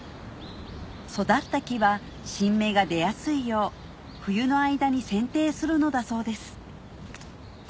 育った木は新芽が出やすいよう冬の間にせん定するのだそうです